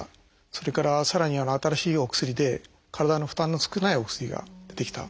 それからさらに新しいお薬で体の負担の少ないお薬が出てきた。